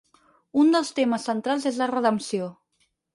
Un dels temes centrals és la redempció.